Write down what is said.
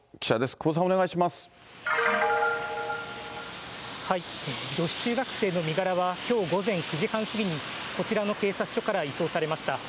久保さん、女子中学生の身柄は、きょう午前９時半過ぎに、こちらの警察署から移送されました。